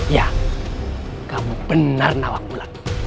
ya kamu benar nawak bulat